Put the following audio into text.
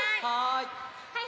はい。